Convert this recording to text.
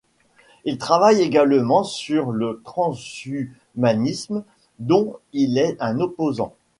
Il travaille également sur le transhumanisme, dont il est un opposant.